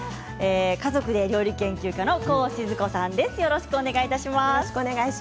家族で料理研究家のコウ静子さんです。